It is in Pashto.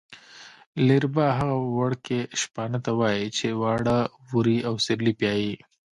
لېربه هغه وړکي شپانه ته وايي چې واړه وري او سېرلی پیایي.